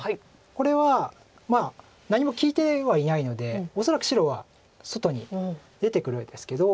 これは何も利いてはいないので恐らく白は外に出てくるんですけど。